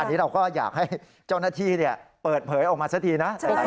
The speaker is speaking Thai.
อันนี้เราก็อยากให้เจ้าหน้าที่เปิดเผยออกมาสักทีนะ